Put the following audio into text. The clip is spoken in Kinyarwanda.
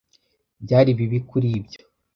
Byari bibi kuri ibyo.